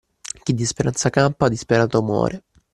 Chi di speranza campa, disperato muore.